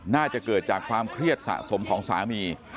น่าจะเกิดจากความเครียดสะสมของสามี